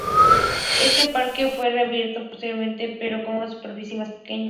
Este parque fue reabierto posteriormente, pero con una superficie más pequeña.